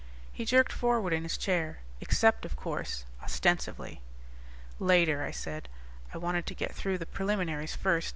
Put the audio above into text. He jerked forward in his chair, "Except, of course, ostensively." "Later," I said. I wanted to get through the preliminaries first.